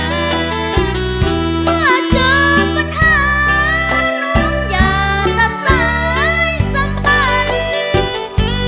เพื่อเจอปัญหาลมอย่าตัดสายสังฝัน